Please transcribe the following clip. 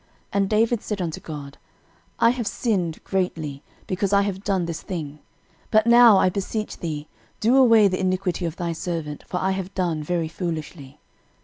13:021:008 And David said unto God, I have sinned greatly, because I have done this thing: but now, I beseech thee, do away the iniquity of thy servant; for I have done very foolishly.